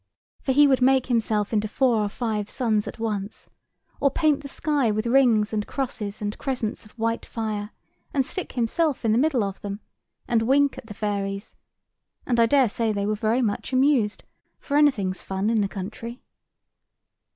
For he would make himself into four or five suns at once, or paint the sky with rings and crosses and crescents of white fire, and stick himself in the middle of them, and wink at the fairies; and I daresay they were very much amused; for anything's fun in the country.